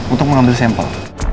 untuk mengambil sampel